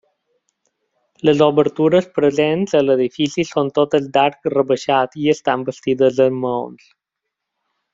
Les obertures presents a l'edifici són totes d'arc rebaixat i estan bastides amb maons.